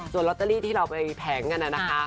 ส่วนลอตเตอรี่ที่เราไปแผงกันนะคะ